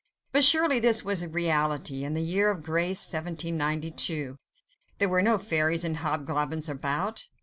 But surely this was reality! and the year of grace 1792: there were no fairies and hobgoblins about.